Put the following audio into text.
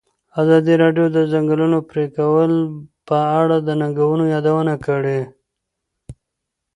ازادي راډیو د د ځنګلونو پرېکول په اړه د ننګونو یادونه کړې.